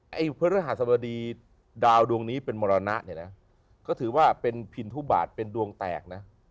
พระฤหัสบดีดาวดวงนี้เป็นมรณะเนี่ยนะก็ถือว่าเป็นพินทุบาทเป็นดวงแตกนะ